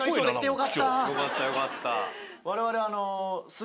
よかったよかった。